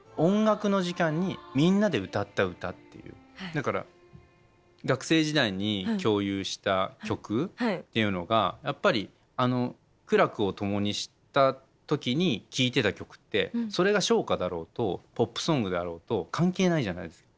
だから学生時代に共有した曲っていうのがやっぱり苦楽を共にした時に聴いてた曲ってそれが唱歌だろうとポップソングであろうと関係ないじゃないですか。